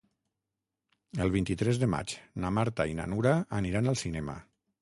El vint-i-tres de maig na Marta i na Nura aniran al cinema.